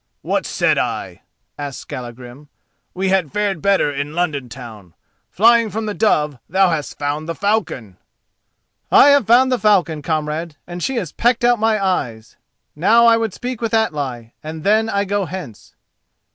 "What said I?" asked Skallagrim. "We had fared better in London town. Flying from the dove thou hast found the falcon." "I have found the falcon, comrade, and she has pecked out my eyes. Now I would speak with Atli, and then I go hence."